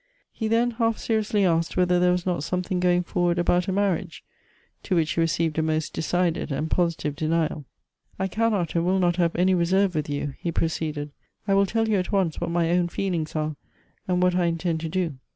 He then half seriously asked whether there was not something going forward about a marriage ; to which he received a most decided and positive denial. " I cannot and will not have any reserve with you," he proceeded. "I will tell you at once what my own feel ings are, and what I intend to do.